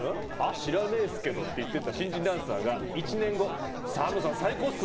知らねえっすけどって言ってた新人ダンサーが１年後ＳＡＭさん最高っす！